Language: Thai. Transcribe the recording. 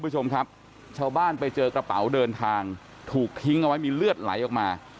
ชาวบ้านไปเจอกระเป๋าเดินทางถูกทิ้งเอาไว้มีเลือดไหลออกมา